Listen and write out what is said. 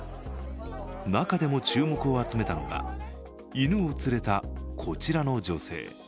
中でも注目を集めたのが、犬を連れた、こちらの女性。